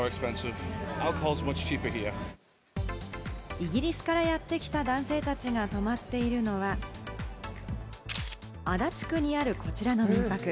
イギリスからやってきた男性たちが泊まっているのは足立区にあるこちらの民泊。